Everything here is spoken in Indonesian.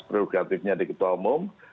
prerogatifnya di ketua umum